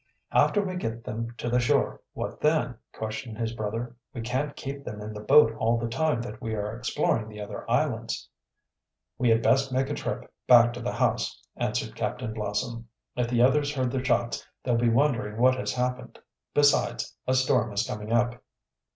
"After we get them to the shore, what then?" questioned his brother. "We can't keep them in the boat all the time that we are exploring the other islands." "We had best make a trip back to the house," answered Captain Blossom. "If the others heard the shots they'll be wondering what has happened; besides, a storm is coming up."